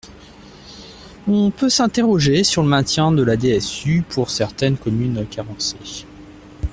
On peut s’interroger sur le maintien de la DSU pour certaines communes carencées.